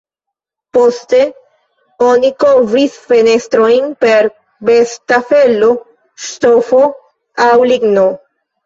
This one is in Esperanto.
Poste, oni kovris fenestrojn per besta felo, ŝtofo aŭ ligno.